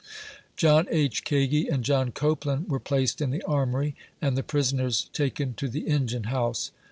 John H. Kagi and J ohn Copeland were placed in the Armory, and the prisoners taken to the engine house.